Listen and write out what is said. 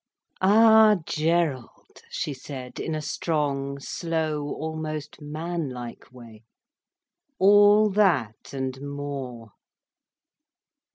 "Ah Gerald," she said, in a strong, slow, almost man like way. "—All that, and more."